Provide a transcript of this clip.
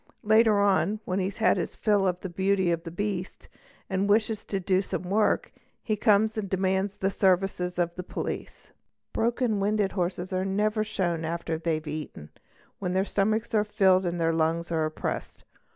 Later on, when he has had his fill of the beauty of the beast and wishes it to do some work, he comes and demands the services of the police. ath oy i) oe Sid OB A A Broken winded horses are never shown after they have eaten, when their stomachs are filled and their lungs are oppressed.